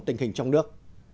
tình hình trong nước